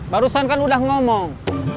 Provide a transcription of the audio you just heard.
barusan kan udah ngomong